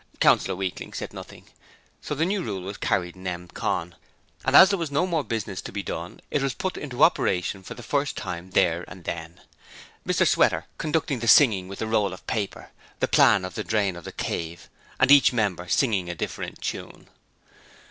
Councillor Weakling said nothing, so the new rule was carried nem. con., and as there was no more business to be done it was put into operation for the first time there and then. Mr Sweater conducting the singing with a roll of paper the plan of the drain of 'The Cave' and each member singing a different tune.